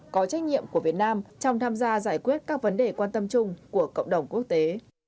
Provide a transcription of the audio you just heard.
có trách nhiệm của việt nam trong tham gia giải quyết các vấn đề quan tâm chung của cộng đồng quốc tế